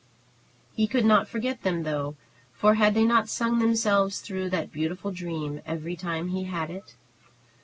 He could not forget them, though, for had they not sung themselves through that beautiful dream every time he had it?